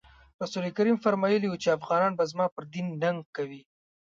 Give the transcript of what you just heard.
رسول کریم فرمایلي وو چې افغانان به زما پر دین ننګ کوي.